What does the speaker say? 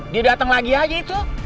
dia datang lagi aja itu